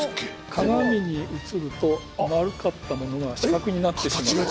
鏡に映ると丸かったものが四角になってしまう